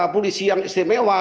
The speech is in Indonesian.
polisi yang istimewa